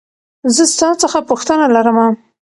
زه ستا څخه پوښتنه لرمه .